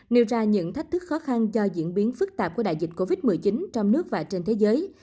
nêu ra những thách thức khó khăn do diễn biến phức tạp của đại dịch covid một mươi chín trong nước và trên thế giới